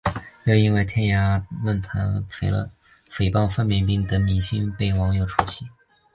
又因为其在天涯论坛诽谤范冰冰等明星被网友唾弃。